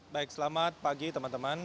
baik selamat pagi teman teman